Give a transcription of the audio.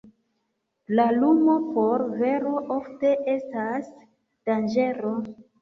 La lumo por vero ofte estas danĝero.